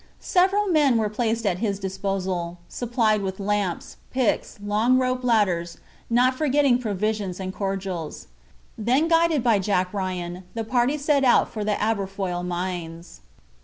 Several men were placed at his disposal, supplied with lamps, picks, long rope ladders, not forgetting provisions and cordials. Then guided by Jack Ryan, the party set out for the Aberfoyle mines.